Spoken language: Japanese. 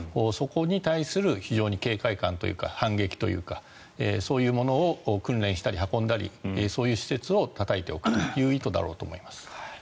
そこに対する非常に警戒感というか反撃というかそういうものを訓練したり運んだりそういう施設をたたいておくという意図だろうと思います。